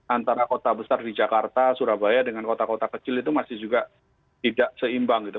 antara kota besar di jakarta surabaya dengan kota kota kecil itu masih juga tidak seimbang gitu